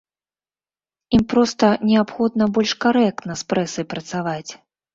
Ім проста неабходна больш карэктна з прэсай працаваць.